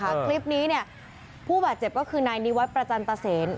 หลังจากคลิปนี้เนี่ยผู้บาดเจ็บก็คือไหนนิวัฒน์ประจันตะเสน